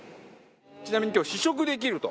ちなみに今日試食できると。